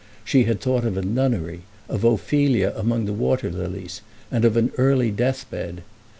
She had thought of a nunnery, of Ophelia among the water lilies, and of an early death bed.